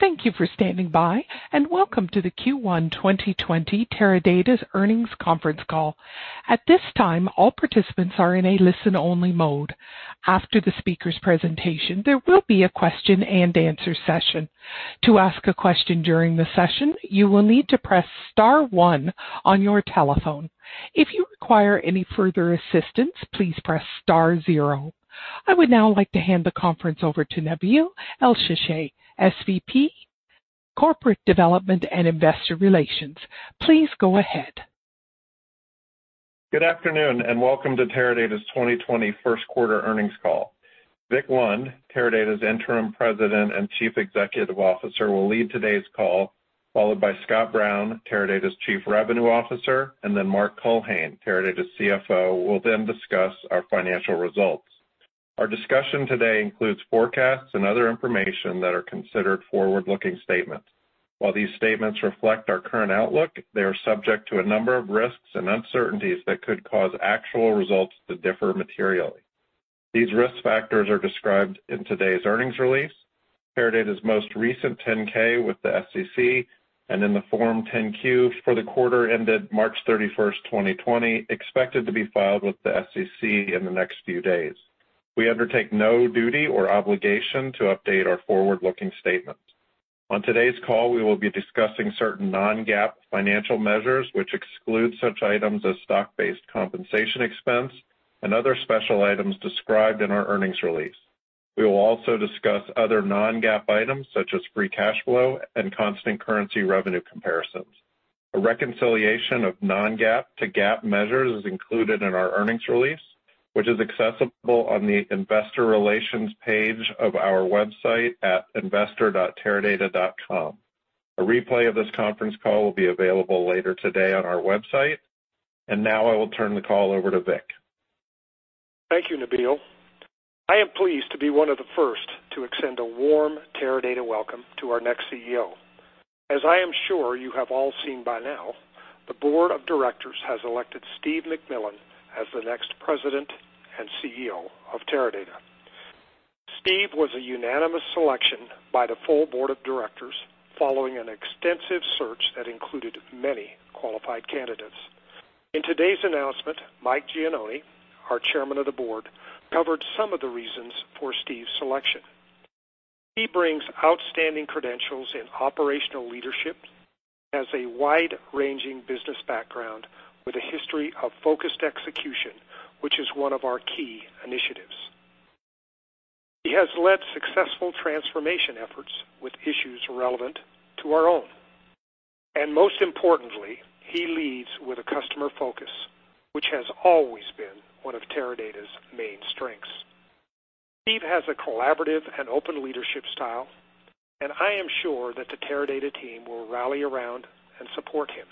Thank you for standing by, and welcome to the Q1 2020 Teradata's earnings conference call. At this time, all participants are in a listen-only mode. After the speaker's presentation, there will be a question-and-answer session. To ask a question during the session, you will need to press star one on your telephone. If you require any further assistance, please press star zero. I would now like to hand the conference over to Nabil Elsheshai, SVP Corporate Development and Investor Relations. Please go ahead. Good afternoon, welcome to Teradata's 2020 first quarter earnings call. Vic Lund, Teradata's Interim President and Chief Executive Officer, will lead today's call, followed by Scott Brown, Teradata's Chief Revenue Officer, and then Mark Culhane, Teradata's CFO, will then discuss our financial results. Our discussion today includes forecasts and other information that are considered forward-looking statements. While these statements reflect our current outlook, they are subject to a number of risks and uncertainties that could cause actual results to differ materially. These risk factors are described in today's earnings release, Teradata's most recent 10-K with the SEC, and in the Form 10-Q for the quarter ended March 31st, 2020, expected to be filed with the SEC in the next few days. We undertake no duty or obligation to update our forward-looking statements. On today's call, we will be discussing certain non-GAAP financial measures, which exclude such items as stock-based compensation expense and other special items described in our earnings release. We will also discuss other non-GAAP items such as free cash flow and constant currency revenue comparisons. A reconciliation of non-GAAP to GAAP measures is included in our earnings release, which is accessible on the investor relations page of our website at investor.teradata.com. A replay of this conference call will be available later today on our website. Now I will turn the call over to Vic. Thank you, Nabil. I am pleased to be one of the first to extend a warm Teradata welcome to our next CEO. As I am sure you have all seen by now, the Board of Directors has elected Steve McMillan as the next President and CEO of Teradata. Steve was a unanimous selection by the full Board of Directors following an extensive search that included many qualified candidates. In today's announcement, Mike Gianoni, our Chairman of the Board, covered some of the reasons for Steve's selection. He brings outstanding credentials in operational leadership, has a wide-ranging business background with a history of focused execution, which is one of our key initiatives. Most importantly, he leads with a customer focus, which has always been one of Teradata's main strengths. Steve has a collaborative and open leadership style, and I am sure that the Teradata team will rally around and support him.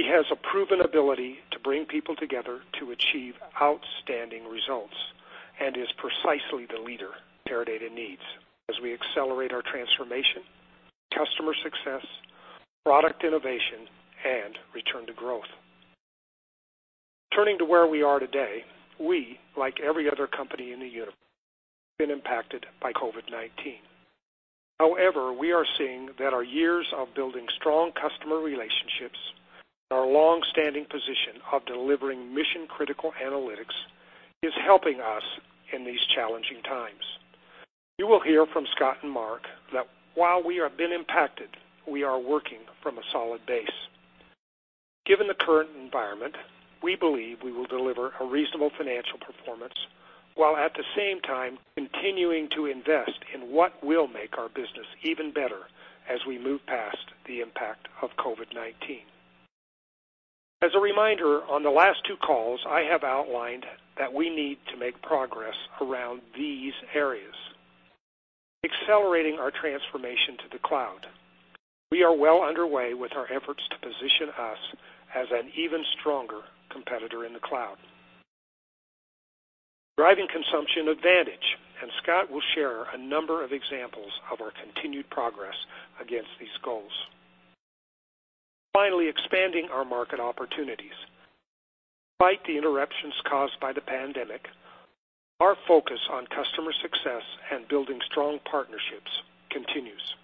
He has a proven ability to bring people together to achieve outstanding results and is precisely the leader Teradata needs as we accelerate our transformation, customer success, product innovation, and return to growth. Turning to where we are today, we, like every other company in the universe, have been impacted by COVID-19. However, we are seeing that our years of building strong customer relationships and our long-standing position of delivering mission-critical analytics is helping us in these challenging times. You will hear from Scott and Mark that while we have been impacted, we are working from a solid base. Given the current environment, we believe we will deliver a reasonable financial performance, while at the same time continuing to invest in what will make our business even better as we move past the impact of COVID-19. As a reminder, on the last two calls, I have outlined that we need to make progress around these areas. Accelerating our transformation to the cloud. We are well underway with our efforts to position us as an even stronger competitor in the cloud. Driving consumption advantage, and Scott will share a number of examples of our continued progress against these goals. Finally, expanding our market opportunities. Despite the interruptions caused by the pandemic, our focus on customer success and building strong partnerships continues.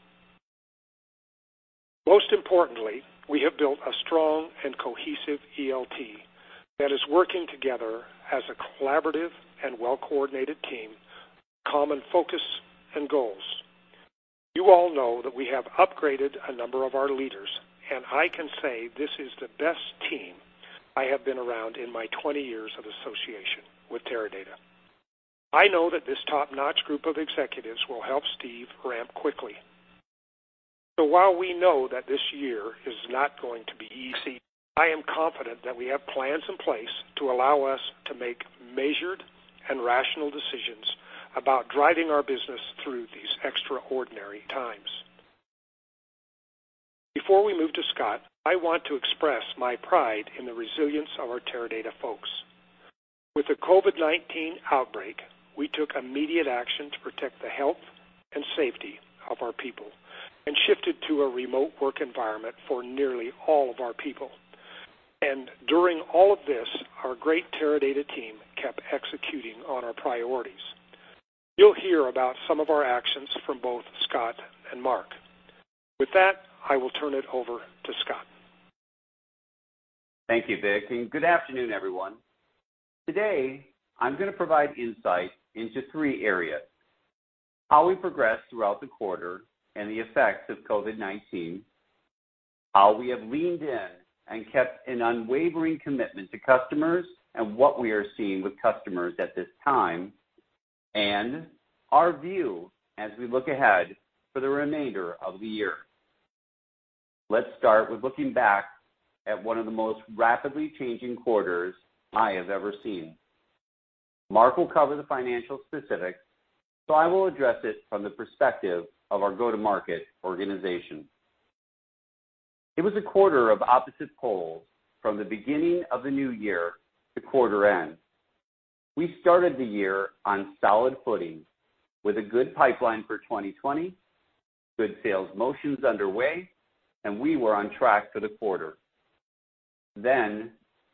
Most importantly, we have built a strong and cohesive ELT that is working together as a collaborative and well-coordinated team with common focus and goals. You all know that we have upgraded a number of our leaders, and I can say this is the best team I have been around in my 20 years of association with Teradata. I know that this top-notch group of executives will help Steve ramp quickly. While we know that this year is not going to be easy, I am confident that we have plans in place to allow us to make measured and rational decisions about driving our business through these extraordinary times. Before we move to Scott, I want to express my pride in the resilience of our Teradata folks. With the COVID-19 outbreak, we took immediate action to protect the health and safety of our people and shifted to a remote work environment for nearly all of our people. During all of this, our great Teradata team kept executing on our priorities. You'll hear about some of our actions from both Scott and Mark. With that, I will turn it over to Scott. Thank you, Vic, and good afternoon, everyone. Today, I'm going to provide insight into three areas: how we progressed throughout the quarter and the effects of COVID-19, how we have leaned in and kept an unwavering commitment to customers and what we are seeing with customers at this time, and our view as we look ahead for the remainder of the year. Let's start with looking back at one of the most rapidly changing quarters I have ever seen. Mark will cover the financial specifics. I will address it from the perspective of our go-to-market organization. It was a quarter of opposite poles from the beginning of the new year to quarter end. We started the year on solid footing with a good pipeline for 2020, good sales motions underway, and we were on track for the quarter. The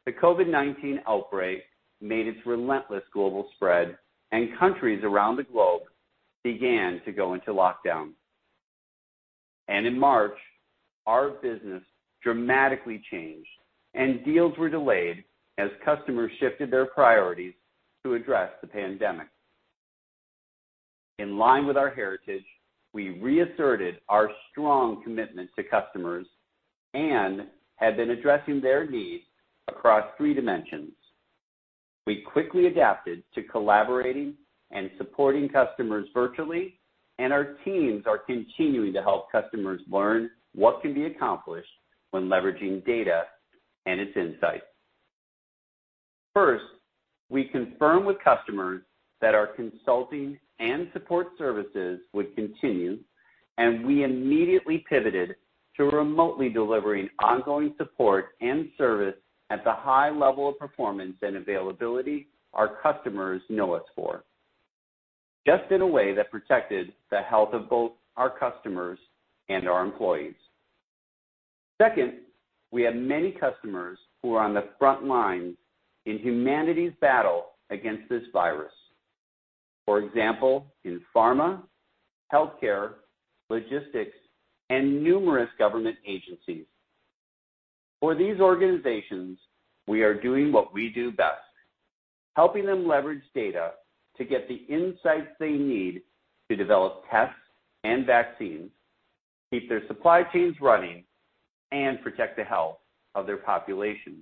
COVID-19 outbreak made its relentless global spread, and countries around the globe began to go into lockdown. In March, our business dramatically changed, and deals were delayed as customers shifted their priorities to address the pandemic. In line with our heritage, we reasserted our strong commitment to customers and have been addressing their needs across three dimensions. We quickly adapted to collaborating and supporting customers virtually, our teams are continuing to help customers learn what can be accomplished when leveraging data and its insights. First, we confirm with customers that our consulting and support services would continue, and we immediately pivoted to remotely delivering ongoing support and service at the high level of performance and availability our customers know us for, just in a way that protected the health of both our customers and our employees. Second, we have many customers who are on the front lines in humanity's battle against this virus. For example, in pharma, healthcare, logistics, and numerous government agencies. For these organizations, we are doing what we do best, helping them leverage data to get the insights they need to develop tests and vaccines, keep their supply chains running, and protect the health of their populations.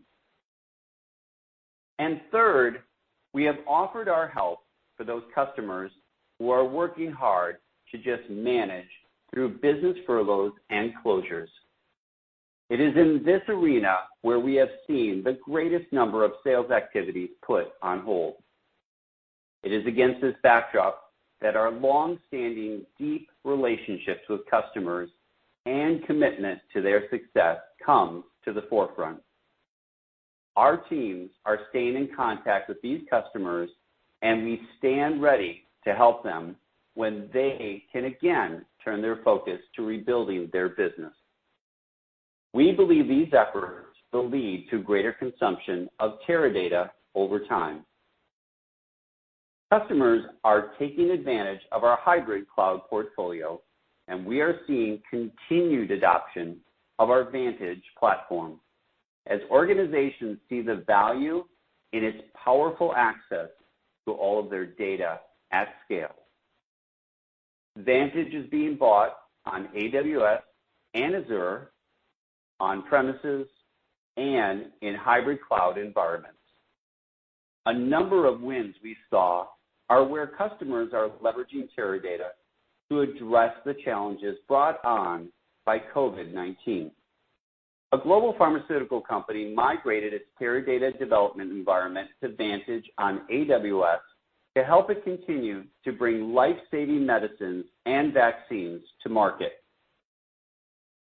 Third, we have offered our help for those customers who are working hard to just manage through business furloughs and closures. It is in this arena where we have seen the greatest number of sales activities put on hold. It is against this backdrop that our long-standing, deep relationships with customers and commitment to their success come to the forefront. Our teams are staying in contact with these customers, and we stand ready to help them when they can again turn their focus to rebuilding their business. We believe these efforts will lead to greater consumption of Teradata over time. Customers are taking advantage of our hybrid cloud portfolio, and we are seeing continued adoption of our Vantage platform as organizations see the value in its powerful access to all of their data at scale. Vantage is being bought on AWS and Azure, on-premises, and in hybrid cloud environments. A number of wins we saw are where customers are leveraging Teradata to address the challenges brought on by COVID-19. A global pharmaceutical company migrated its Teradata development environment to Vantage on AWS to help it continue to bring life-saving medicines and vaccines to market.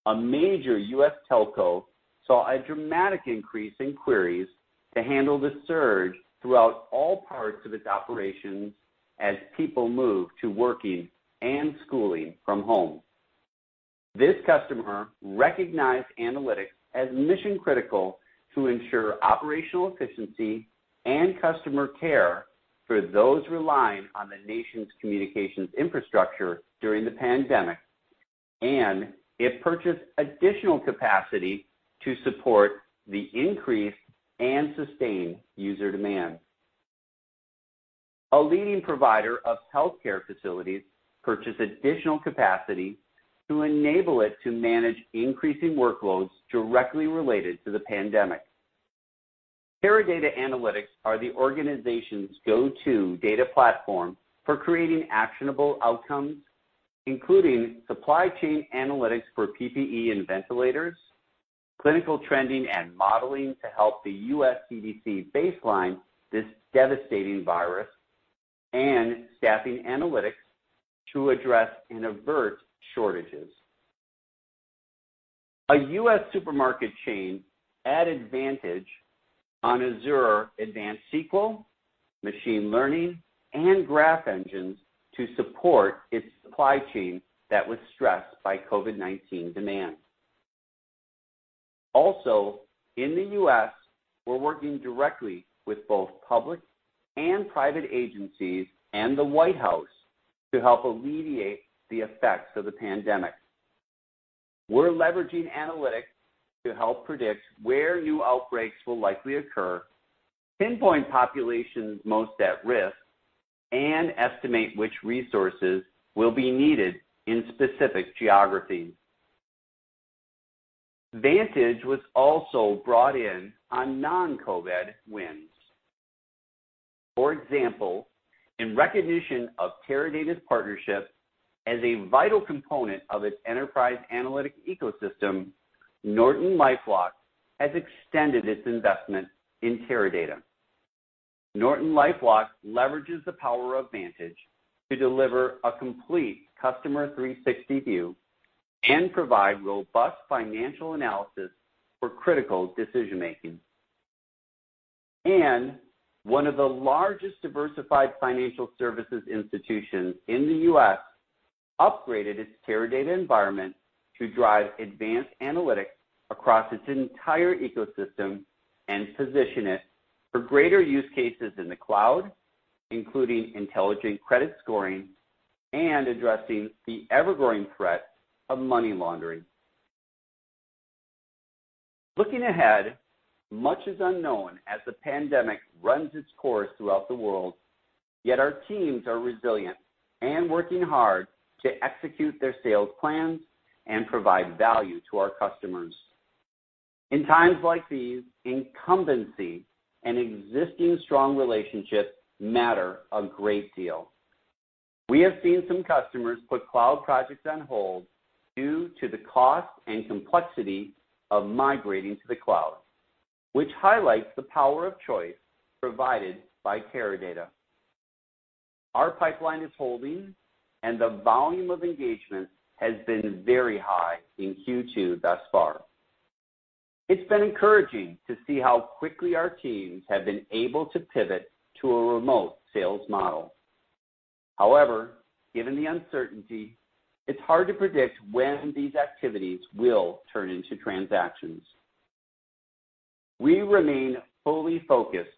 A major U.S. telco saw a dramatic increase in queries to handle the surge throughout all parts of its operations as people moved to working and schooling from home. This customer recognized analytics as mission-critical to ensure operational efficiency and customer care for those relying on the nation's communications infrastructure during the pandemic, and it purchased additional capacity to support the increased and sustained user demand. A leading provider of healthcare facilities purchased additional capacity to enable it to manage increasing workloads directly related to the pandemic. Teradata analytics are the organization's go-to data platform for creating actionable outcomes, including supply chain analytics for PPE and ventilators, clinical trending and modeling to help the U.S. CDC baseline this devastating virus, and staffing analytics to address and avert shortages. A U.S. supermarket chain added Vantage on Azure Advanced SQL, machine learning, and graph engines to support its supply chain that was stressed by COVID-19 demand. Also, in the U.S., we're working directly with both public and private agencies and the White House to help alleviate the effects of the pandemic. We're leveraging analytics to help predict where new outbreaks will likely occur, pinpoint populations most at risk, and estimate which resources will be needed in specific geographies. Vantage was also brought in on non-COVID wins. For example, in recognition of Teradata's partnership as a vital component of its enterprise analytic ecosystem, NortonLifeLock has extended its investment in Teradata. NortonLifeLock leverages the power of Vantage to deliver a complete Customer 360 view and provide robust financial analysis for critical decision-making. One of the largest diversified financial services institutions in the U.S. upgraded its Teradata environment to drive advanced analytics across its entire ecosystem and position it for greater use cases in the cloud, including intelligent credit scoring and addressing the ever-growing threat of money laundering. Looking ahead, much is unknown as the pandemic runs its course throughout the world, yet our teams are resilient and working hard to execute their sales plans and provide value to our customers. In times like these, incumbency and existing strong relationships matter a great deal. We have seen some customers put cloud projects on hold due to the cost and complexity of migrating to the cloud, which highlights the power of choice provided by Teradata. Our pipeline is holding, and the volume of engagement has been very high in Q2 thus far. It's been encouraging to see how quickly our teams have been able to pivot to a remote sales model. However, given the uncertainty, it's hard to predict when these activities will turn into transactions. We remain fully focused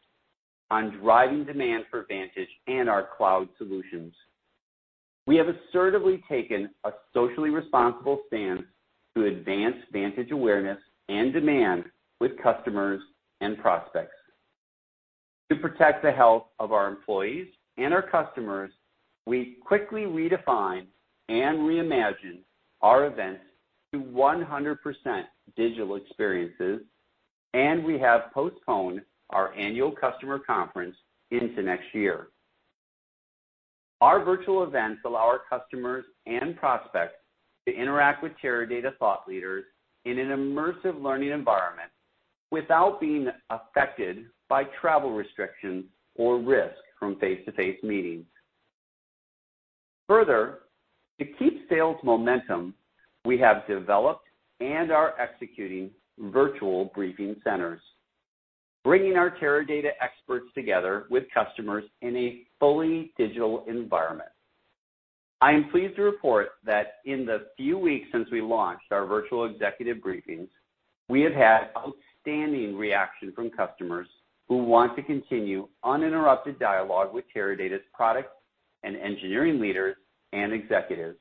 on driving demand for Vantage and our cloud solutions. We have assertively taken a socially responsible stance to advance Vantage awareness and demand with customers and prospects. To protect the health of our employees and our customers, we quickly redefined and reimagined our events to 100% digital experiences, and we have postponed our annual customer conference into next year. Our virtual events allow our customers and prospects to interact with Teradata thought leaders in an immersive learning environment without being affected by travel restrictions or risk from face-to-face meetings. Further, to keep sales momentum, we have developed and are executing virtual briefing centers, bringing our Teradata experts together with customers in a fully digital environment. I am pleased to report that in the few weeks since we launched our virtual executive briefings, we have had outstanding reaction from customers who want to continue uninterrupted dialogue with Teradata's product and engineering leaders and executives.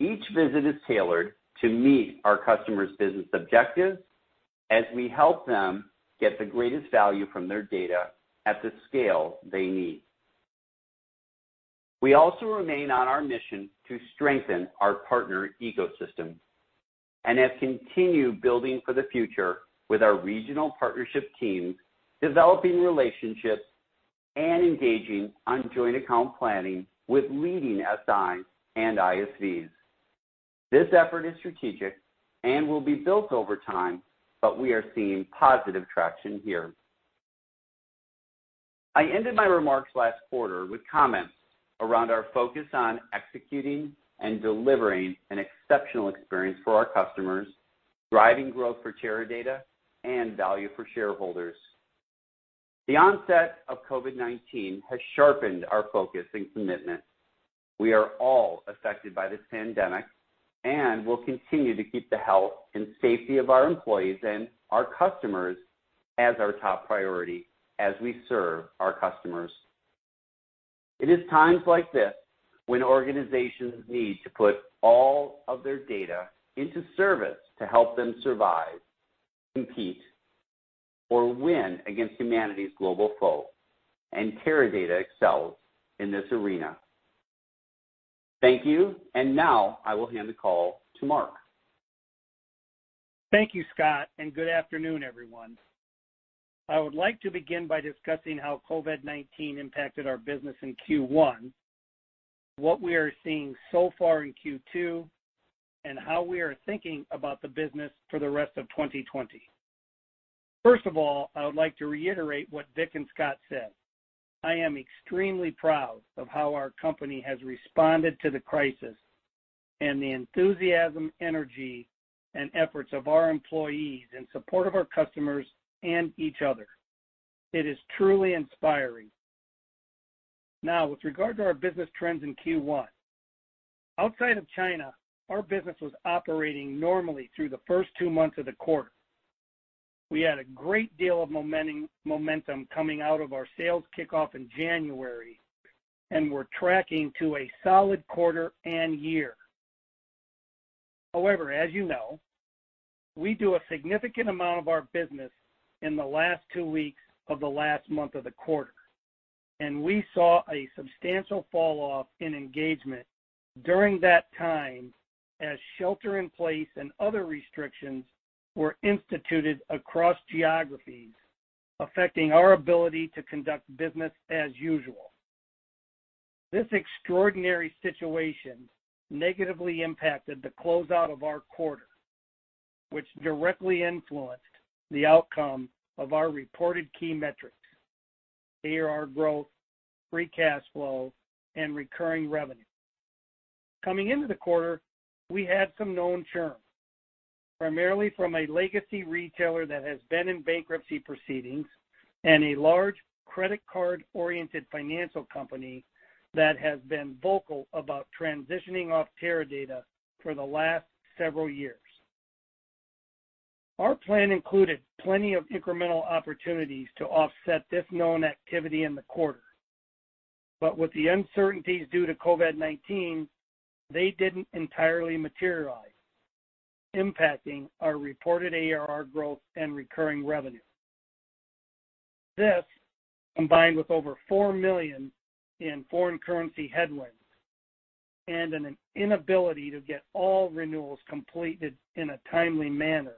Each visit is tailored to meet our customers' business objectives as we help them get the greatest value from their data at the scale they need. We also remain on our mission to strengthen our partner ecosystem and have continued building for the future with our regional partnership teams, developing relationships and engaging on joint account planning with leading SIs and ISVs. This effort is strategic and will be built over time, but we are seeing positive traction here. I ended my remarks last quarter with comments around our focus on executing and delivering an exceptional experience for our customers, driving growth for Teradata, and value for shareholders. The onset of COVID-19 has sharpened our focus and commitment. We are all affected by this pandemic, and we'll continue to keep the health and safety of our employees and our customers as our top priority as we serve our customers. It is times like this when organizations need to put all of their data into service to help them survive, compete, or win against humanity's global foe, and Teradata excels in this arena. Thank you. Now I will hand the call to Mark. Thank you, Scott, and good afternoon, everyone. I would like to begin by discussing how COVID-19 impacted our business in Q1, what we are seeing so far in Q2, and how we are thinking about the business for the rest of 2020. First of all, I would like to reiterate what Vic and Scott said. I am extremely proud of how our company has responded to the crisis and the enthusiasm, energy, and efforts of our employees in support of our customers and each other. It is truly inspiring. Now, with regard to our business trends in Q1, outside of China, our business was operating normally through the first two months of the quarter. We had a great deal of momentum coming out of our sales kickoff in January, and were tracking to a solid quarter and year. As you know, we do a significant amount of our business in the last two weeks of the last month of the quarter, and we saw a substantial falloff in engagement during that time as shelter-in-place and other restrictions were instituted across geographies, affecting our ability to conduct business as usual. This extraordinary situation negatively impacted the closeout of our quarter, which directly influenced the outcome of our reported key metrics: ARR growth, free cash flow, and recurring revenue. Coming into the quarter, we had some known churn, primarily from a legacy retailer that has been in bankruptcy proceedings and a large credit-card-oriented financial company that has been vocal about transitioning off Teradata for the last several years. Our plan included plenty of incremental opportunities to offset this known activity in the quarter. With the uncertainties due to COVID-19, they didn't entirely materialize, impacting our reported ARR growth and recurring revenue. This, combined with over $4 million in foreign currency headwinds and an inability to get all renewals completed in a timely manner,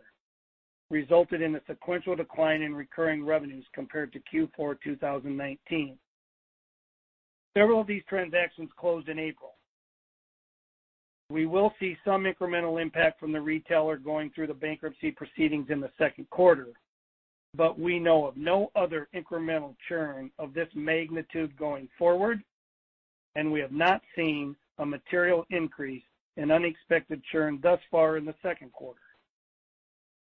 resulted in a sequential decline in recurring revenues compared to Q4 2019. Several of these transactions closed in April. We will see some incremental impact from the retailer going through the bankruptcy proceedings in the second quarter, but we know of no other incremental churn of this magnitude going forward, and we have not seen a material increase in unexpected churn thus far in the second quarter,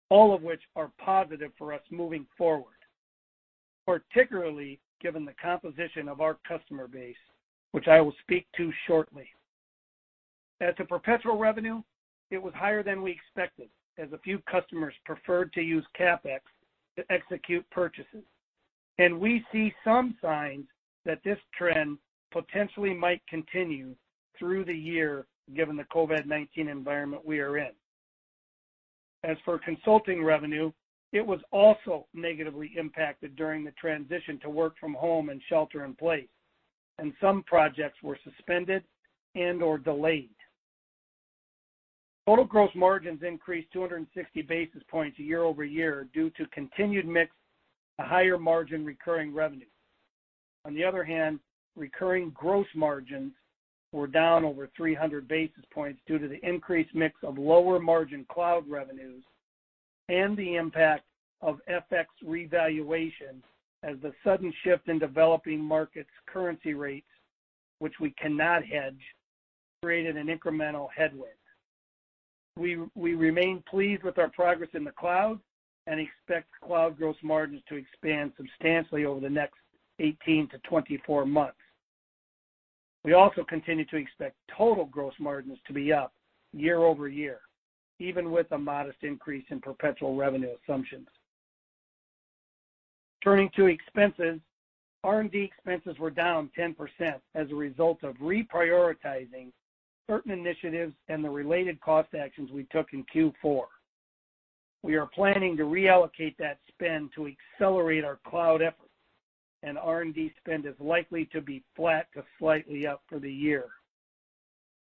all of which are positive for us moving forward, particularly given the composition of our customer base, which I will speak to shortly. As for perpetual revenue, it was higher than we expected, as a few customers preferred to use CapEx to execute purchases, and we see some signs that this trend potentially might continue through the year given the COVID-19 environment we are in. As for consulting revenue, it was also negatively impacted during the transition to work from home and shelter-in-place, and some projects were suspended and/or delayed. Total gross margins increased 260 basis points year-over-year due to continued mix to higher margin recurring revenue. On the other hand, recurring gross margins were down over 300 basis points due to the increased mix of lower margin cloud revenues and the impact of FX revaluation as the sudden shift in developing markets currency rates, which we cannot hedge, created an incremental headwind. We remain pleased with our progress in the cloud and expect cloud gross margins to expand substantially over the next 18-24 months. We also continue to expect total gross margins to be up year-over-year, even with a modest increase in perpetual revenue assumptions. Turning to expenses, R&D expenses were down 10% as a result of reprioritizing certain initiatives and the related cost actions we took in Q4. We are planning to reallocate that spend to accelerate our cloud efforts, and R&D spend is likely to be flat to slightly up for the year.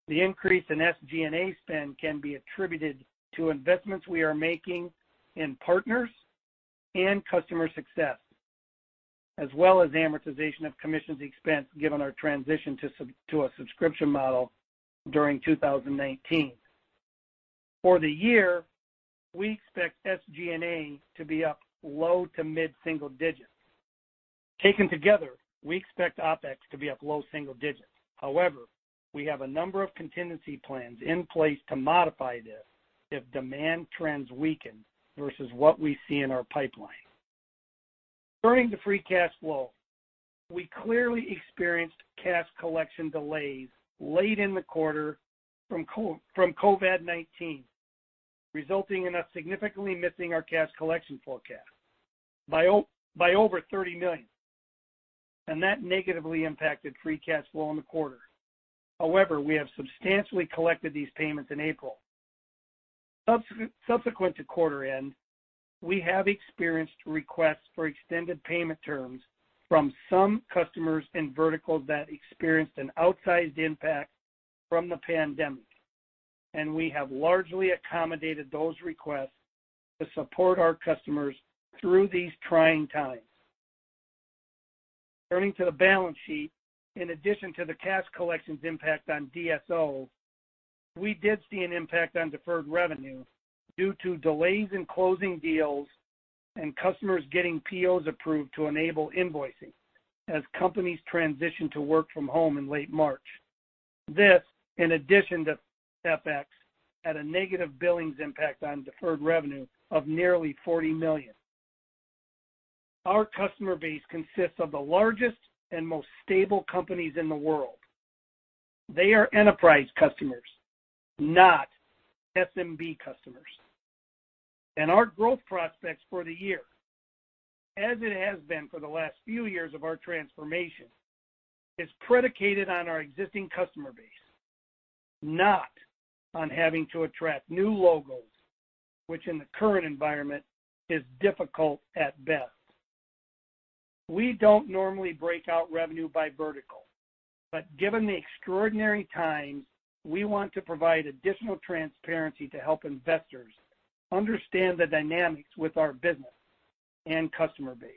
The increase in SG&A spend can be attributed to investments we are making in partners and customer success, as well as amortization of commissions expense given our transition to a subscription model during 2019. For the year, we expect SG&A to be up low- to mid-single digits. Taken together, we expect OpEx to be up low single digits. We have a number of contingency plans in place to modify this if demand trends weaken versus what we see in our pipeline. Turning to free cash flow, we clearly experienced cash collection delays late in the quarter from COVID-19, resulting in us significantly missing our cash collection forecast by over $30 million, and that negatively impacted free cash flow in the quarter. We have substantially collected these payments in April. Subsequent to quarter end, we have experienced requests for extended payment terms from some customers in verticals that experienced an outsized impact from the pandemic, and we have largely accommodated those requests to support our customers through these trying times. Turning to the balance sheet, in addition to the cash collections impact on DSO, we did see an impact on deferred revenue due to delays in closing deals. Customers getting POs approved to enable invoicing as companies transitioned to work from home in late March. This, in addition to FX, had a negative billings impact on deferred revenue of nearly $40 million. Our customer base consists of the largest and most stable companies in the world. They are enterprise customers, not SMB customers. Our growth prospects for the year, as it has been for the last few years of our transformation, is predicated on our existing customer base, not on having to attract new logos, which in the current environment is difficult at best. We don't normally break out revenue by vertical. Given the extraordinary times, we want to provide additional transparency to help investors understand the dynamics with our business and customer base.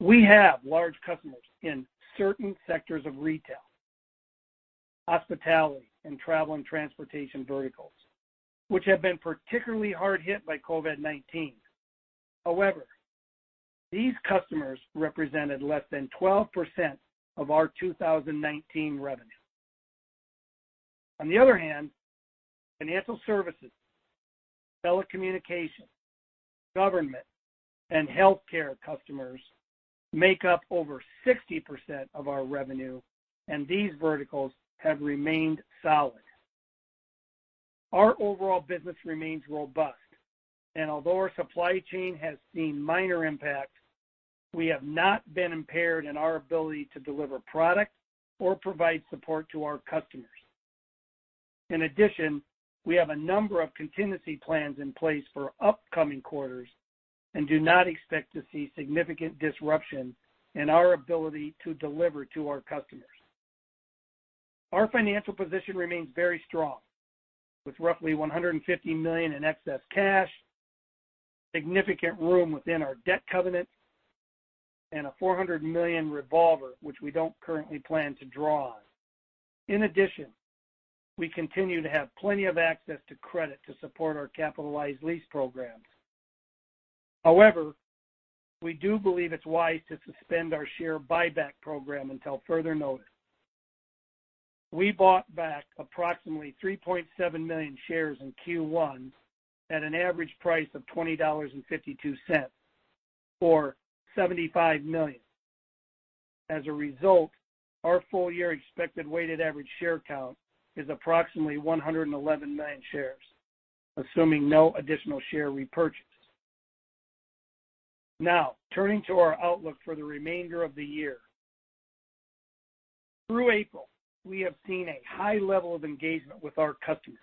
We have large customers in certain sectors of retail, hospitality, and travel and transportation verticals, which have been particularly hard hit by COVID-19. However, these customers represented less than 12% of our 2019 revenue. On the other hand, financial services, telecommunication, government, and healthcare customers make up over 60% of our revenue, these verticals have remained solid. Our overall business remains robust. Although our supply chain has seen minor impacts, we have not been impaired in our ability to deliver product or provide support to our customers. In addition, we have a number of contingency plans in place for upcoming quarters and do not expect to see significant disruption in our ability to deliver to our customers. Our financial position remains very strong, with roughly $150 million in excess cash, significant room within our debt covenants, and a $400 million revolver, which we don't currently plan to draw on. In addition, we continue to have plenty of access to credit to support our capitalized lease programs. However, we do believe it's wise to suspend our share buyback program until further notice. We bought back approximately 3.7 million shares in Q1 at an average price of $20.52, or $75 million. As a result, our full-year expected weighted average share count is approximately 111 million shares, assuming no additional share repurchase. Now, turning to our outlook for the remainder of the year. Through April, we have seen a high level of engagement with our customers,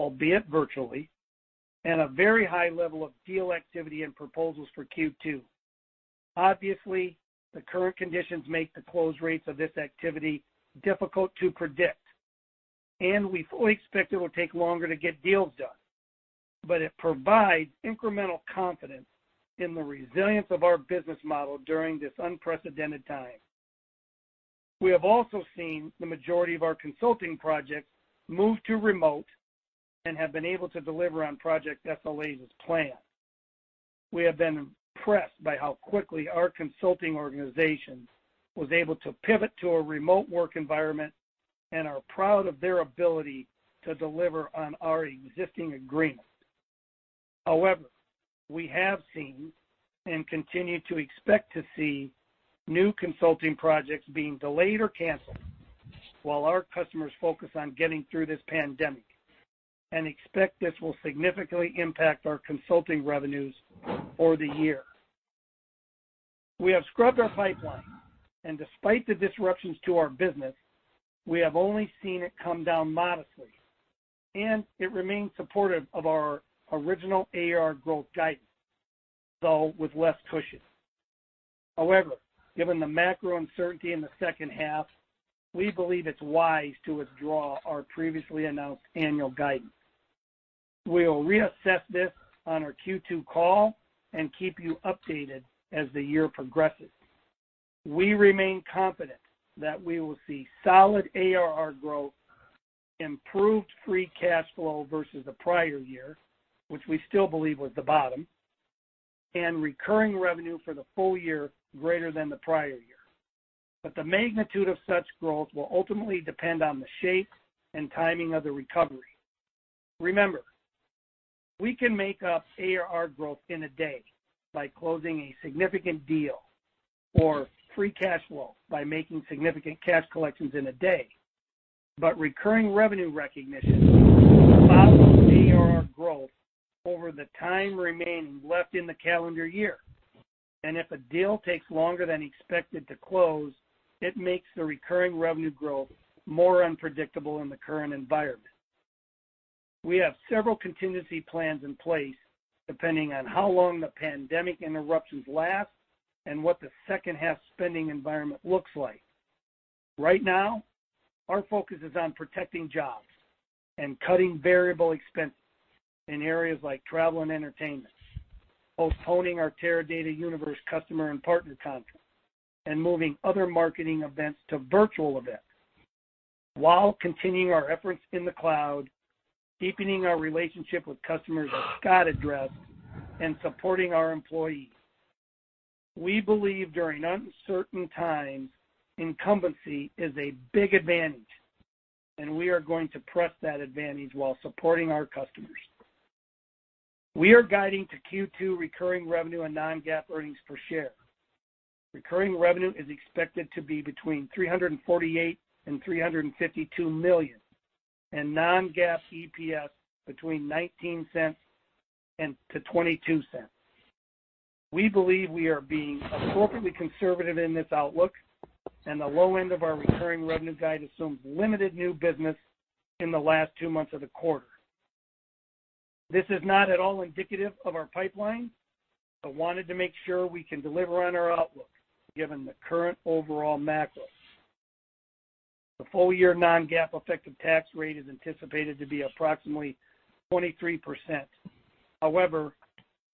albeit virtually, and a very high level of deal activity and proposals for Q2. Obviously, the current conditions make the close rates of this activity difficult to predict, and we fully expect it will take longer to get deals done. It provides incremental confidence in the resilience of our business model during this unprecedented time. We have also seen the majority of our consulting projects move to remote and have been able to deliver on project SLAs as planned. We have been impressed by how quickly our consulting organization was able to pivot to a remote work environment and are proud of their ability to deliver on our existing agreements. However, we have seen, and continue to expect to see, new consulting projects being delayed or canceled while our customers focus on getting through this pandemic, and expect this will significantly impact our consulting revenues for the year. We have scrubbed our pipeline, and despite the disruptions to our business, we have only seen it come down modestly, and it remains supportive of our original ARR growth guidance, though with less cushion. Given the macro uncertainty in the second half, we believe it's wise to withdraw our previously announced annual guidance. We will reassess this on our Q2 call and keep you updated as the year progresses. We remain confident that we will see solid ARR growth, improved free cash flow versus the prior year, which we still believe was the bottom, and recurring revenue for the full year greater than the prior year. The magnitude of such growth will ultimately depend on the shape and timing of the recovery. Remember, we can make up ARR growth in a day by closing a significant deal, or free cash flow by making significant cash collections in a day. Recurring revenue recognition follows ARR growth over the time remaining left in the calendar year. If a deal takes longer than expected to close, it makes the recurring revenue growth more unpredictable in the current environment. We have several contingency plans in place depending on how long the pandemic interruptions last and what the second half spending environment looks like. Right now, our focus is on protecting jobs and cutting variable expenses in areas like travel and entertainment, postponing our Teradata Universe customer and partner conference, and moving other marketing events to virtual events, while continuing our efforts in the cloud, deepening our relationship with customers, as Scott addressed, and supporting our employees. We believe during uncertain times, incumbency is a big advantage, and we are going to press that advantage while supporting our customers. We are guiding to Q2 recurring revenue and non-GAAP EPS. Recurring revenue is expected to be between $348 million and $352 million, and non-GAAP EPS between $0.19 and $0.22. We believe we are being appropriately conservative in this outlook, and the low end of our recurring revenue guide assumes limited new business in the last two months of the quarter. This is not at all indicative of our pipeline, but wanted to make sure we can deliver on our outlook given the current overall macro. The full-year non-GAAP effective tax rate is anticipated to be approximately 23%. However,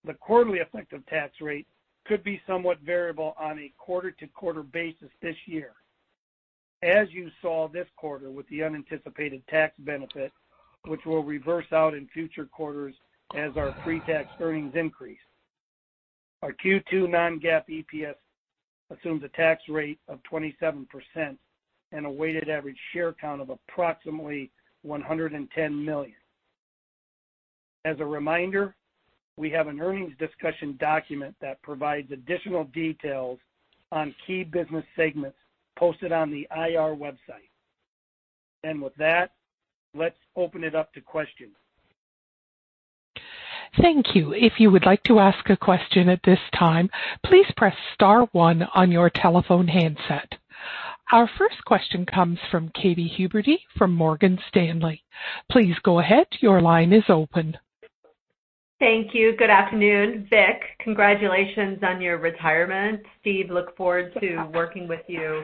the quarterly effective tax rate could be somewhat variable on a quarter-to-quarter basis this year. As you saw this quarter with the unanticipated tax benefit, which will reverse out in future quarters as our pre-tax earnings increase. Our Q2 non-GAAP EPS assumes a tax rate of 27% and a weighted average share count of approximately 110 million. As a reminder, we have an earnings discussion document that provides additional details on key business segments posted on the IR website. With that, let's open it up to questions. Thank you. If you would like to ask a question at this time, please press star one on your telephone handset. Our first question comes from Katy Huberty from Morgan Stanley. Please go ahead. Your line is open. Thank you. Good afternoon, Vic. Congratulations on your retirement. Steve, look forward to working with you.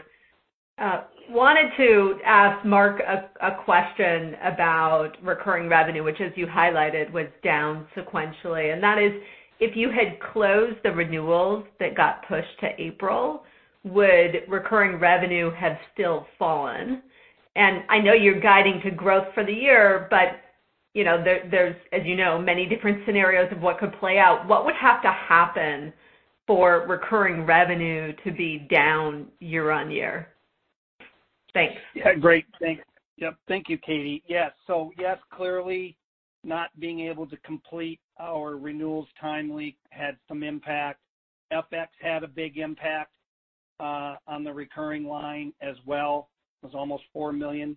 I wanted to ask Mark a question about recurring revenue, which as you highlighted, was down sequentially. That is, if you had closed the renewals that got pushed to April, would recurring revenue have still fallen? I know you're guiding to growth for the year, but there's, as you know, many different scenarios of what could play out. What would have to happen for recurring revenue to be down year-on-year? Thanks. Yeah. Great. Thanks. Yep. Thank you, Katy. Yes. Yes, clearly not being able to complete our renewals timely had some impact. FX had a big impact on the recurring line as well. It was almost $4 million.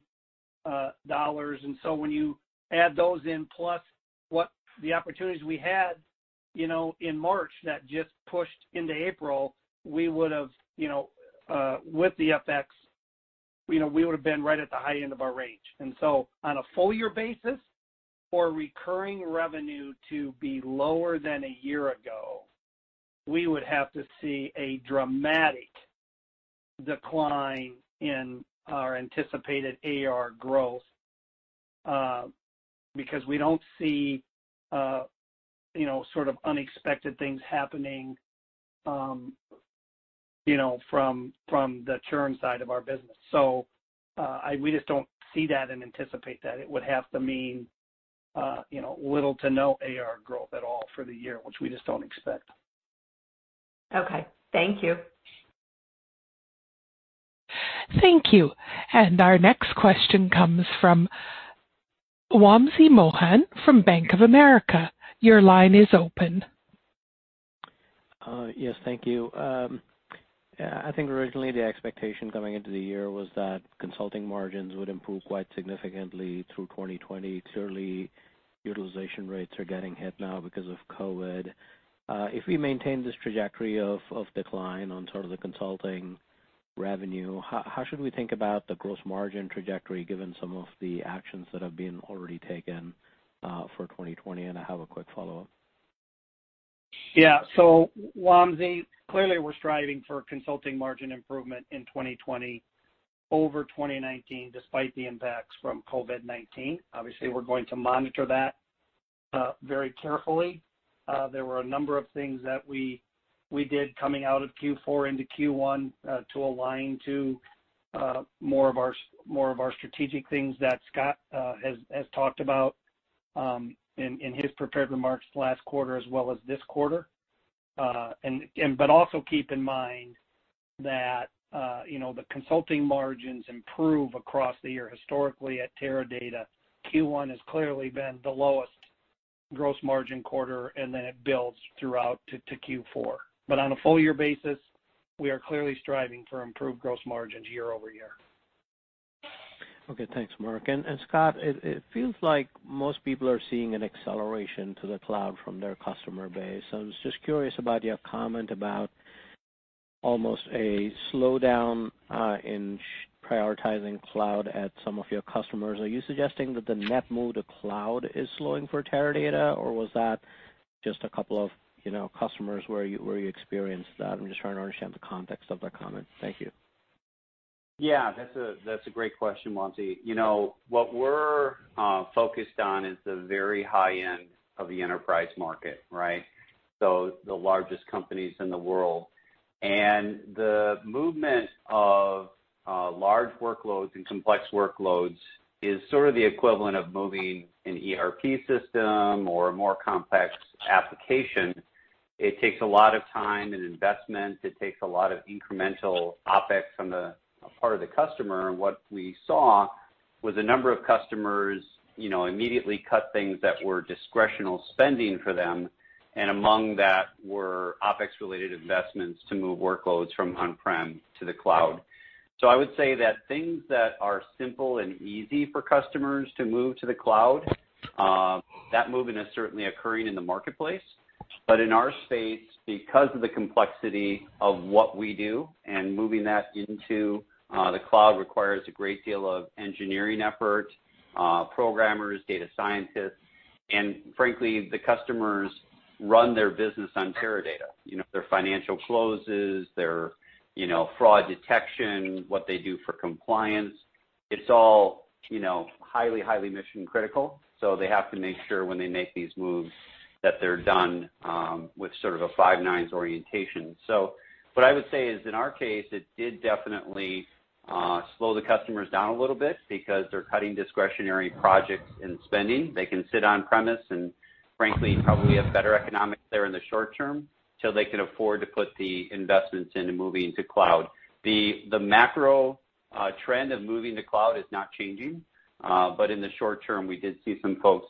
When you add those in plus what the opportunities we had in March that just pushed into April, we would have, with the FX, we would've been right at the high end of our range. On a full-year basis, for recurring revenue to be lower than a year ago, we would have to see a dramatic decline in our anticipated ARR growth, because we don't see unexpected things happening from the churn side of our business. We just don't see that and anticipate that. It would have to mean little to no ARR growth at all for the year, which we just don't expect. Okay. Thank you. Thank you. Our next question comes from Wamsi Mohan from Bank of America. Your line is open. Yes, thank you. I think originally the expectation coming into the year was that consulting margins would improve quite significantly through 2020. Clearly, utilization rates are getting hit now because of COVID-19. If we maintain this trajectory of decline on sort of the consulting revenue, how should we think about the gross margin trajectory given some of the actions that have been already taken for 2020? I have a quick follow-up. Wamsi, clearly we're striving for consulting margin improvement in 2020 over 2019, despite the impacts from COVID-19. Obviously, we're going to monitor that very carefully. There were a number of things that we did coming out of Q4 into Q1 to align to more of our strategic things that Scott has talked about in his prepared remarks last quarter as well as this quarter. Also keep in mind that the consulting margins improve across the year historically at Teradata. Q1 has clearly been the lowest gross margin quarter, and then it builds throughout to Q4. On a full-year basis, we are clearly striving for improved gross margins year-over-year. Okay, thanks, Mark. Scott, it feels like most people are seeing an acceleration to the cloud from their customer base. I was just curious about your comment about almost a slowdown in prioritizing cloud at some of your customers. Are you suggesting that the net move to cloud is slowing for Teradata, or was that just a couple of customers where you experienced that? I'm just trying to understand the context of that comment. Thank you. Yeah. That's a great question, Wamsi. What we're focused on is the very high end of the enterprise market, right? The largest companies in the world. The movement of large workloads and complex workloads is sort of the equivalent of moving an ERP system or a more complex application. It takes a lot of time and investment. It takes a lot of incremental OpEx on the part of the customer. What we saw was a number of customers immediately cut things that were discretional spending for them, and among that were OpEx-related investments to move workloads from on-prem to the cloud. I would say that things that are simple and easy for customers to move to the cloud, that movement is certainly occurring in the marketplace. In our space, because of the complexity of what we do, and moving that into the cloud requires a great deal of engineering effort, programmers, data scientists, and frankly, the customers run their business on Teradata. Their financial closes, their fraud detection, what they do for compliance, it's all highly mission critical. They have to make sure when they make these moves, that they're done with sort of a five-nines orientation. What I would say is, in our case, it did definitely slow the customers down a little bit because they're cutting discretionary projects and spending. They can sit on-premises and frankly, probably have better economics there in the short term till they can afford to put the investments into moving to cloud. The macro trend of moving to cloud is not changing. In the short term, we did see some folks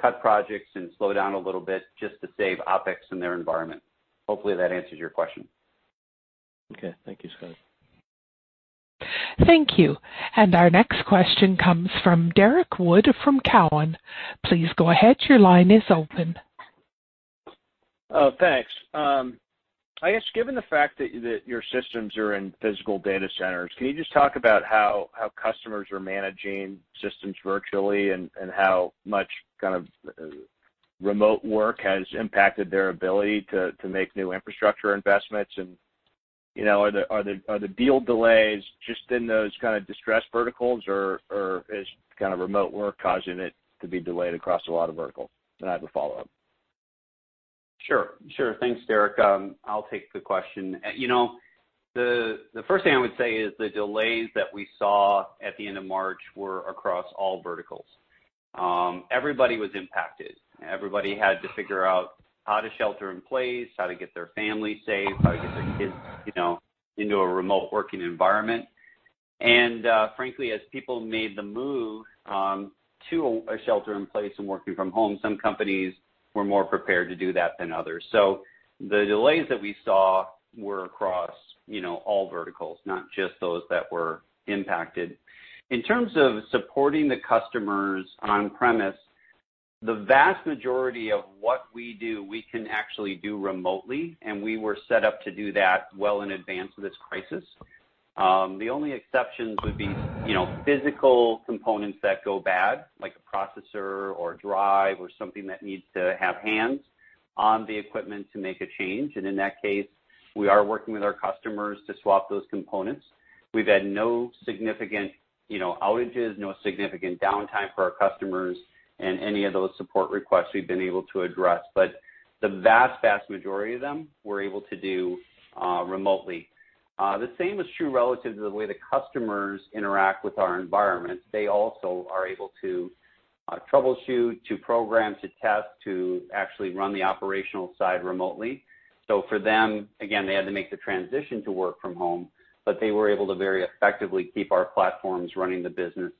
cut projects and slow down a little bit just to save OpEx in their environment. Hopefully that answers your question. Okay. Thank you, Scott. Thank you. Our next question comes from Derrick Wood from Cowen. Please go ahead, your line is open. Thanks. I guess given the fact that your systems are in physical data centers, can you just talk about how customers are managing systems virtually and how much remote work has impacted their ability to make new infrastructure investments and, are the deal delays just in those kind of distressed verticals, or is remote work causing it to be delayed across a lot of verticals? I have a follow-up. Sure. Thanks, Derrick. I'll take the question. The first thing I would say is the delays that we saw at the end of March were across all verticals. Everybody was impacted. Everybody had to figure out how to shelter-in-place, how to get their family safe, how to get their kids into a remote working environment. Frankly, as people made the move to a shelter-in-place and working from home, some companies were more prepared to do that than others. The delays that we saw were across all verticals, not just those that were impacted. In terms of supporting the customers on premise, the vast majority of what we do, we can actually do remotely, and we were set up to do that well in advance of this crisis. The only exceptions would be physical components that go bad, like a processor or a drive or something that needs to have hands on the equipment to make a change. In that case, we are working with our customers to swap those components. We've had no significant outages, no significant downtime for our customers, and any of those support requests we've been able to address. The vast majority of them we're able to do remotely. The same is true relative to the way the customers interact with our environments. They also are able to troubleshoot, to program, to test, to actually run the operational side remotely. For them, again, they had to make the transition to work from home, but they were able to very effectively keep our platforms running the business.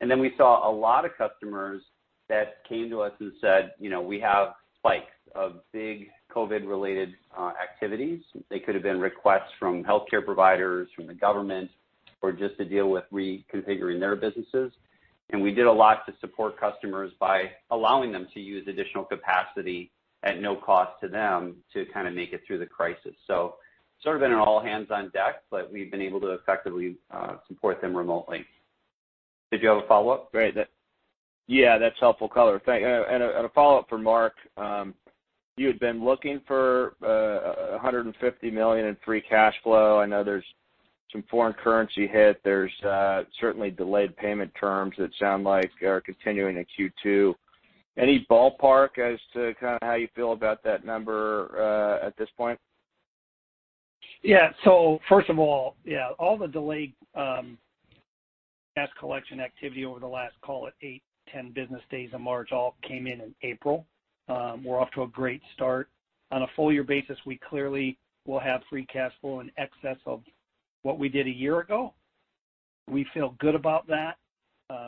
We saw a lot of customers that came to us and said, "We have spikes of big COVID-related activities." They could have been requests from healthcare providers, from the government, or just to deal with reconfiguring their businesses. We did a lot to support customers by allowing them to use additional capacity at no cost to them to make it through the crisis. Sort of been an all hands on deck, but we've been able to effectively support them remotely. Did you have a follow-up? Great. Yeah, that's helpful color. Thanks. A follow-up for Mark. You had been looking for $150 million in free cash flow. I know there's some foreign currency hit. There's certainly delayed payment terms that sound like are continuing to Q2. Any ballpark as to how you feel about that number at this point? First of all the delayed cash collection activity over the last, call it 8-10 business days in March, all came in in April. We're off to a great start. On a full year basis, we clearly will have free cash flow in excess of what we did a year ago. We feel good about that.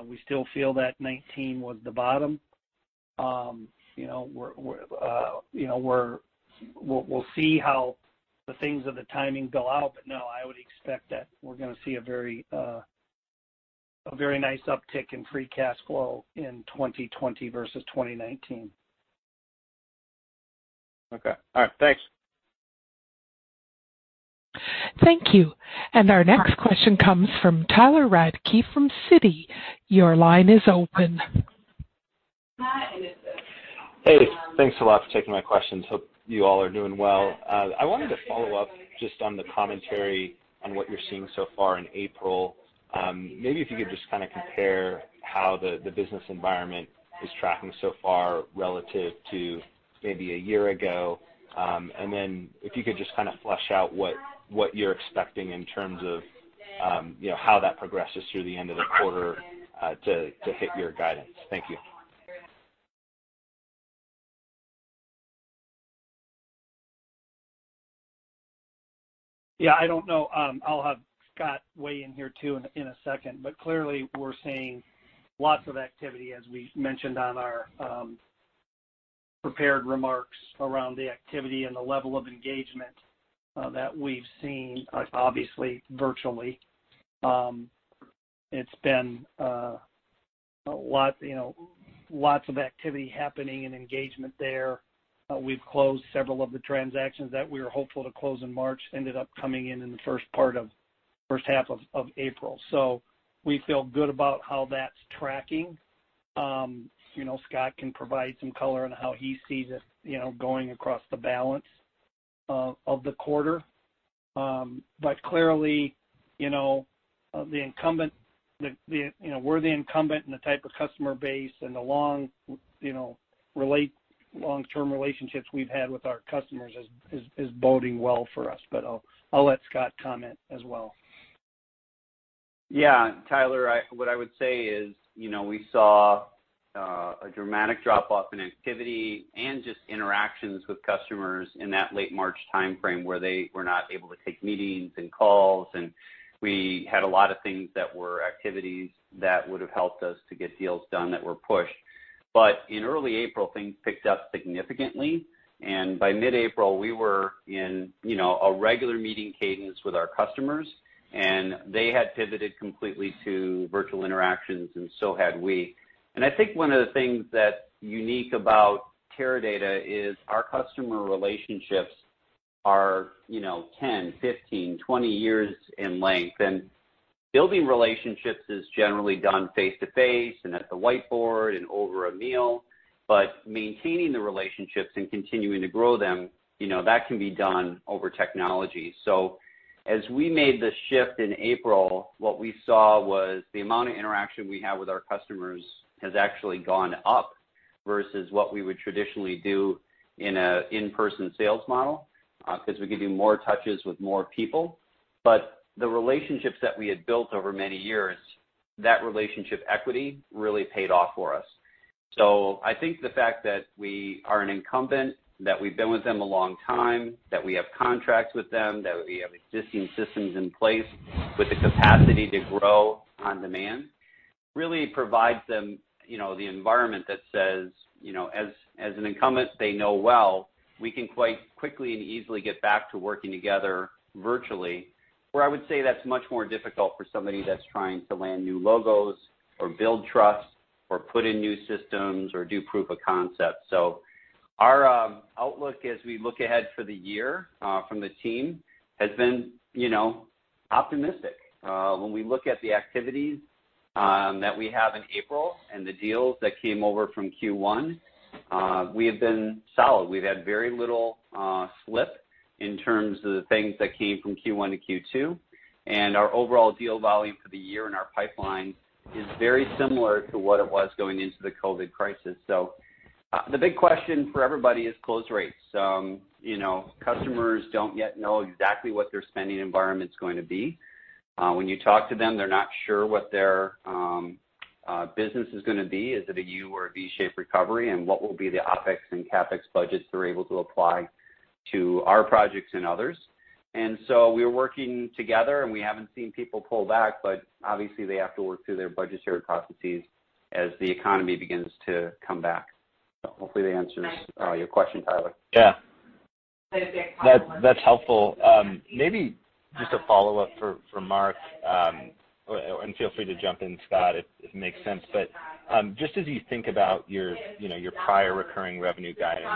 We still feel that 2019 was the bottom. We'll see how the things of the timing go out. I would expect that we're going to see a very nice uptick in free cash flow in 2020 versus 2019. Okay. All right. Thanks. Thank you. Our next question comes from Tyler Radke from Citi. Your line is open. Hey. Thanks a lot for taking my questions. Hope you all are doing well. I wanted to follow up just on the commentary on what you're seeing so far in April. If you could just compare how the business environment tracking so far relative to maybe a year ago. If you could just kind of flesh out what you're expecting in terms of how that progresses through the end of the quarter to hit your guidance. Thank you. Yeah, I don't know. I'll have Scott Brown weigh in here too in a second. Clearly, we're seeing lots of activity, as we mentioned on our prepared remarks around the activity and the level of engagement that we've seen, obviously virtually. It's been lots of activity happening and engagement there. We've closed several of the transactions that we were hopeful to close in March, ended up coming in in the first half of April. We feel good about how that's tracking. Scott Brown can provide some color on how he sees it going across the balance of the quarter. Clearly, we're the incumbent, and the type of customer base, and the long-term relationships we've had with our customers is boding well for us. I'll let Scott Brown comment as well. Yeah. Tyler, what I would say is, we saw a dramatic drop-off in activity and just interactions with customers in that late March timeframe where they were not able to take meetings and calls, and we had a lot of things that were activities that would've helped us to get deals done that were pushed. In early April, things picked up significantly, and by mid-April we were in a regular meeting cadence with our customers, and they had pivoted completely to virtual interactions, and so had we. I think one of the things that's unique about Teradata is our customer relationships are 10, 15, 20 years in length. Building relationships is generally done face-to-face and at the whiteboard and over a meal. Maintaining the relationships and continuing to grow them, that can be done over technology. As we made the shift in April, what we saw was the amount of interaction we have with our customers has actually gone up versus what we would traditionally do in a in-person sales model, because we could do more touches with more people. The relationships that we had built over many years, that relationship equity really paid off for us. I think the fact that we are an incumbent, that we've been with them a long time, that we have contracts with them, that we have existing systems in place with the capacity to grow on demand, really provides them the environment that says, as an incumbent they know well, we can quite quickly and easily get back to working together virtually. Where I would say that's much more difficult for somebody that's trying to land new logos, or build trust, or put in new systems, or do proof of concept. Our outlook as we look ahead for the year from the team has been optimistic. When we look at the activities that we have in April and the deals that came over from Q1, we have been solid. We've had very little slip in terms of the things that came from Q1 to Q2. Our overall deal volume for the year in our pipeline is very similar to what it was going into the COVID-19 crisis. The big question for everybody is close rates. Customers don't yet know exactly what their spending environment's going to be. When you talk to them, they're not sure what their business is going to be. Is it a U or a V shape recovery, and what will be the OpEx and CapEx budgets they're able to apply to our projects and others? We are working together, and we haven't seen people pull back, but obviously they have to work through their budgetary processes as the economy begins to come back. Hopefully that answers your question, Tyler. Yeah. That's helpful. Maybe just a follow-up for Mark, and feel free to jump in, Scott, if it makes sense. Just as you think about your prior recurring revenue guidance,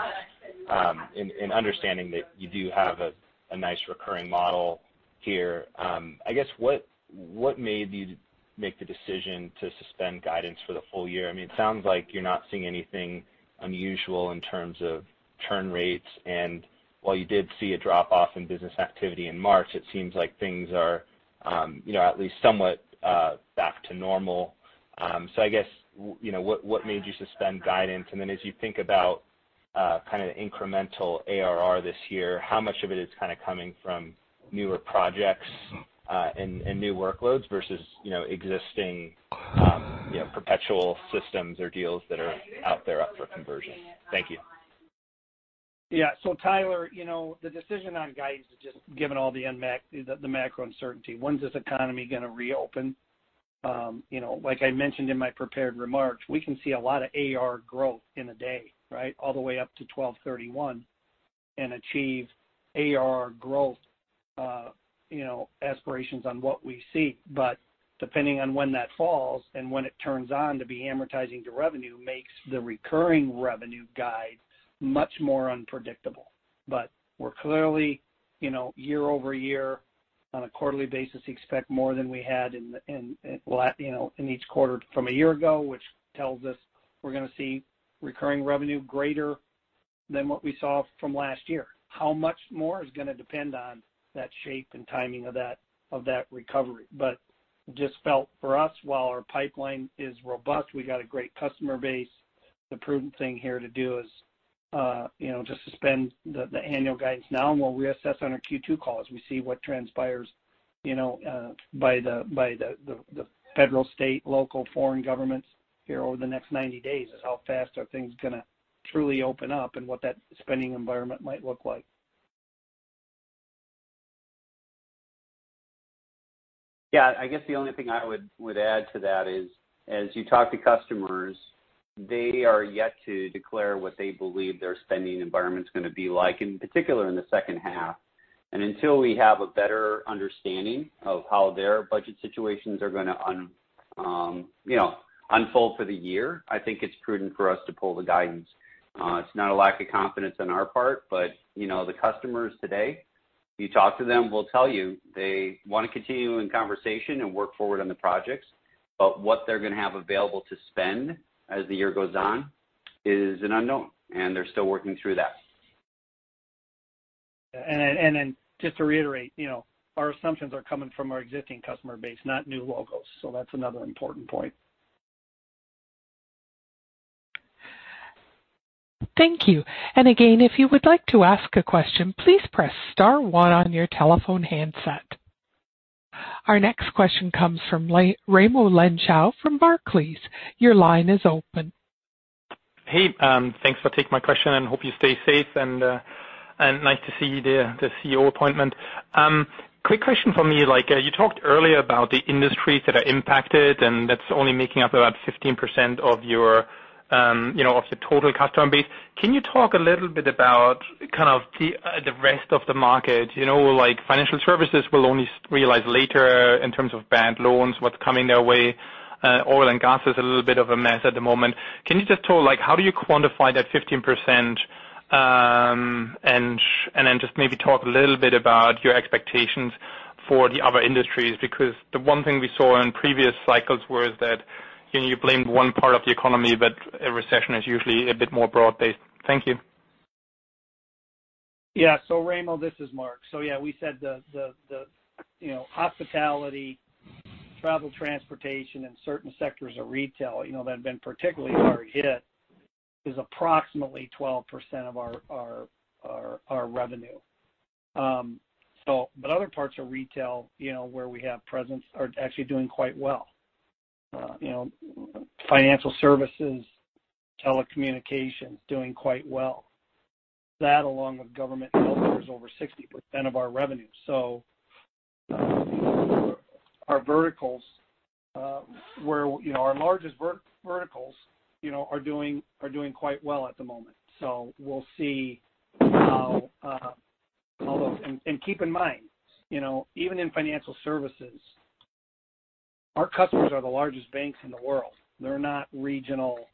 and understanding that you do have a nice recurring model here, I guess what made you make the decision to suspend guidance for the full year? It sounds like you're not seeing anything unusual in terms of churn rates. While you did see a drop-off in business activity in March, it seems like things are at least somewhat back to normal. I guess, what made you suspend guidance? As you think about kind of the incremental ARR this year, how much of it is kind of coming from newer projects, and new workloads versus existing perpetual systems or deals that are out there up for conversion? Thank you. Tyler, the decision on guidance is just given all the macro uncertainty. When's this economy going to reopen? Like I mentioned in my prepared remarks, we can see a lot of ARR growth in a day. All the way up to 12/31, and achieve ARR growth aspirations on what we see. Depending on when that falls and when it turns on to be amortizing to revenue makes the recurring revenue guide much more unpredictable. We're clearly year-over-year on a quarterly basis expect more than we had in each quarter from a year ago, which tells us we're going to see recurring revenue greater than what we saw from last year. How much more is going to depend on that shape and timing of that recovery. Just felt for us, while our pipeline is robust, we got a great customer base. The prudent thing here to do is just suspend the annual guidance now. We'll reassess on our Q2 call as we see what transpires by the federal, state, local, foreign governments here over the next 90 days, is how fast are things going to truly open up and what that spending environment might look like. Yeah, I guess the only thing I would add to that is, as you talk to customers, they are yet to declare what they believe their spending environment's going to be like, in particular in the second half. Until we have a better understanding of how their budget situations are going to unfold for the year, I think it's prudent for us to pull the guidance. It's not a lack of confidence on our part, but the customers today, you talk to them, will tell you they want to continue in conversation and work forward on the projects, but what they're going to have available to spend as the year goes on is an unknown, and they're still working through that. Just to reiterate, our assumptions are coming from our existing customer base, not new logos. That's another important point. Thank you. Again, if you would like to ask a question, please press star one on your telephone handset. Our next question comes from Raimo Lenschow from Barclays. Your line is open. Hey, thanks for taking my question and hope you stay safe and nice to see you there, the CEO appointment. Quick question for me, you talked earlier about the industries that are impacted, and that's only making up about 15% of the total customer base. Can you talk a little bit about the rest of the market? Financial services will only realize later in terms of bad loans, what's coming their way. Oil and gas is a little bit of a mess at the moment. Can you just talk, how do you quantify that 15%? Then just maybe talk a little bit about your expectations for the other industries, because the one thing we saw in previous cycles was that you blamed one part of the economy, but a recession is usually a bit more broad-based. Thank you. Yeah. Raimo, this is Mark. Yeah, we said the hospitality, travel, transportation, and certain sectors of retail that have been particularly hard hit is approximately 12% of our revenue. Other parts of retail, where we have presence are actually doing quite well. Financial services, telecommunications, doing quite well. That along with government health is over 60% of our revenue. Our largest verticals are doing quite well at the moment. Keep in mind, even in financial services, our customers are the largest banks in the world. They're not regional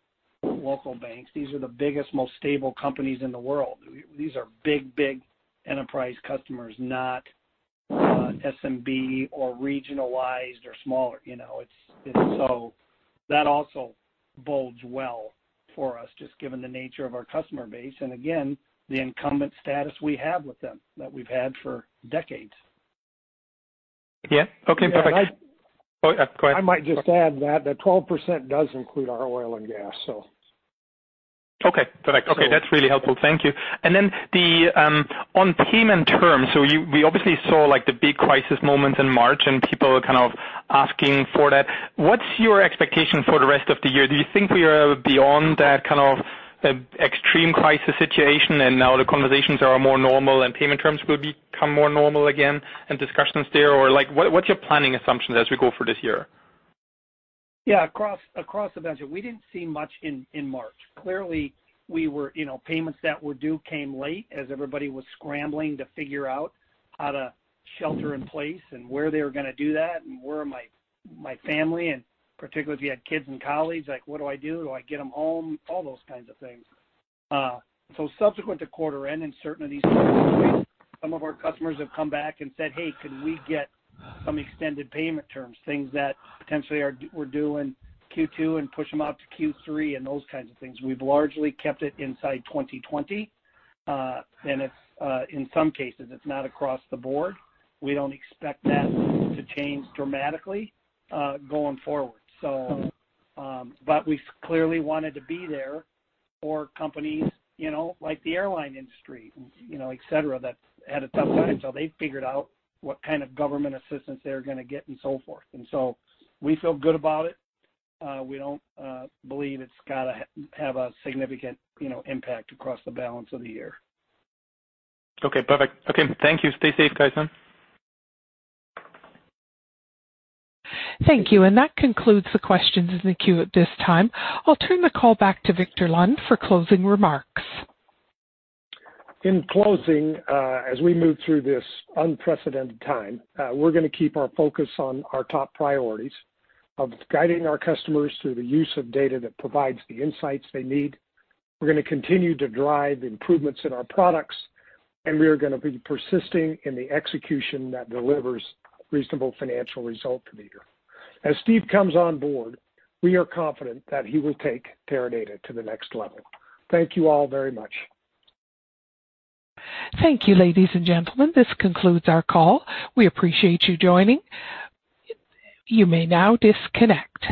local banks. These are the biggest, most stable companies in the world. These are big enterprise customers, not SMB or regionalized or smaller. That also bodes well for us, just given the nature of our customer base, and again, the incumbent status we have with them that we've had for decades. Yeah. Okay, perfect. Go ahead. I might just add that the 12% does include our oil and gas. Okay, perfect. Okay, that's really helpful. Thank you. On payment terms, so we obviously saw the big crisis moment in March, and people are asking for that. What's your expectation for the rest of the year? Do you think we are beyond that kind of extreme crisis situation and now the conversations are more normal and payment terms will become more normal again and discussions there? What's your planning assumptions as we go for this year? Yeah, across the venture, we didn't see much in March. Clearly, payments that were due came late as everybody was scrambling to figure out how to shelter-in-place and where they were going to do that and where are my family, and particularly if you had kids in college, what do I do? Do I get them home? All those kinds of things. Subsequent to quarter end and certain of these some of our customers have come back and said, "Hey, can we get some extended payment terms?" Things that potentially were due in Q2 and push them out to Q3 and those kinds of things. We've largely kept it inside 2020. In some cases, it's not across the board. We don't expect that to change dramatically going forward. We clearly wanted to be there for companies like the airline industry, et cetera, that had a tough time till they figured out what kind of government assistance they were going to get and so forth. We feel good about it. We don't believe it's got to have a significant impact across the balance of the year. Okay, perfect. Okay. Thank you. Stay safe, guys. Thank you. That concludes the questions in the queue at this time. I'll turn the call back to Victor Lund for closing remarks. In closing, as we move through this unprecedented time, we're going to keep our focus on our top priorities of guiding our customers through the use of data that provides the insights they need. We're going to continue to drive improvements in our products, and we are going to be persisting in the execution that delivers reasonable financial results for the year. As Steve comes on board, we are confident that he will take Teradata to the next level. Thank you all very much. Thank you, ladies and gentlemen. This concludes our call. We appreciate you joining. You may now disconnect.